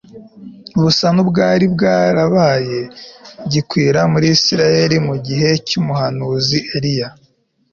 busa nubwari bwarabaye gikwira muri Isirayeli mu gihe cyumuhanuzi Eliya